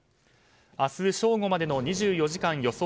明日正午までの２４時間予想